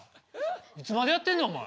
いつまでやってんねんお前。